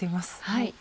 はい。